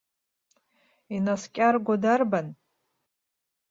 Инаскьарго дарбан?